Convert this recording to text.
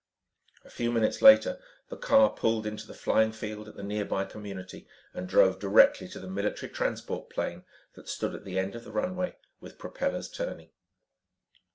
A few minutes later, the car pulled into the flying field at the nearby community and drove directly to the military transport plane that stood at the end of the runway with propellers turning.